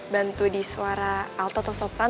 bantu di suara alto atau sopran